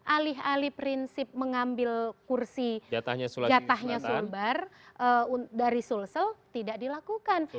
alih alih prinsip mengambil kursi jatahnya sumbar dari sulsel tidak dilakukan